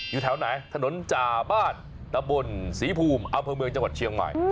อยู่แถวไหนถนนจ่าบ้านตะบนศรีภูมิอำเภอเมืองจังหวัดเชียงใหม่